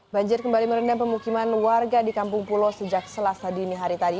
banjir kembali merendam pemukiman warga di kampung pulo sejak selasa dini hari tadi